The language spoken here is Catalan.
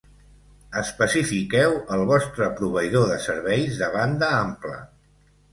Especifiqueu el vostre proveïdor de serveis de banda ampla.